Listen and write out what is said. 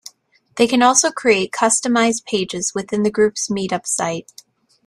They can also create customized pages within the group's Meetup site.